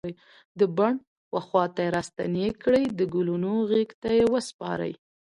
د بڼ و خواته راستنې کړي د ګلونو غیږ ته یې وسپاری